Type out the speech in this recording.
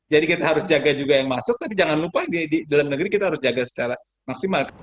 jadi kita harus jaga juga yang masuk tapi jangan lupa di dalam negeri kita harus jaga secara maksimal